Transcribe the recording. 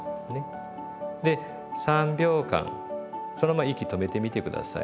で３秒間そのまま息止めてみて下さい。